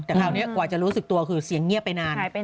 แต่คราวนี้กว่าจะรู้สึกตัวคือเสียงเงียบไปนาน